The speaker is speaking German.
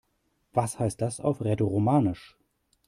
Was heißt das auf Rätoromanisch?